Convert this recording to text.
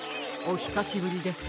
おひさしぶりです。